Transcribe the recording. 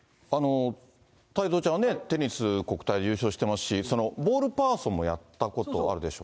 太蔵ちゃんはね、テニス、国体優勝してますし、ボールパーソンもやったことあるでしょう。